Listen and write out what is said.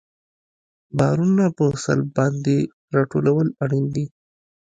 بارونه په سلب باندې راټولول اړین دي